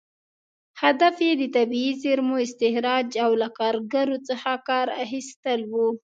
هدف یې د طبیعي زېرمو استخراج او له کارګرو څخه کار اخیستل و.